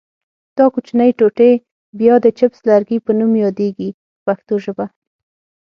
دا کوچنۍ ټوټې بیا د چپس لرګي په نوم یادیږي په پښتو ژبه.